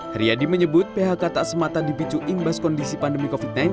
haryadi menyebut phk tak semata dipicu imbas kondisi pandemi